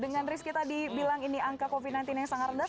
dengan rizky tadi bilang ini angka covid sembilan belas yang sangat rendah